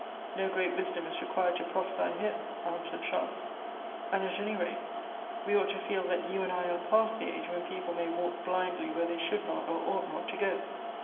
No great wisdom is required to prophesy here," an swered Charlotte ;" and, at any rate, we ought to feel that you and I are past the age when people may walk blindly where they should not or ought not to go.